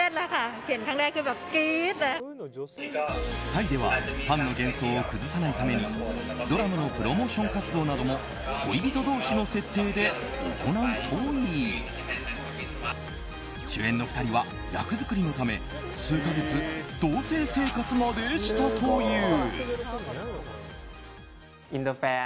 タイではファンの幻想を崩さないためにドラマのプロモーション活動なども恋人同士の設定で行うといい主演の２人は役作りのため数か月、同棲生活までしたという。